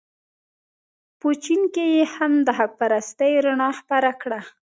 په چین کې یې هم د حق پرستۍ رڼا خپره کړه.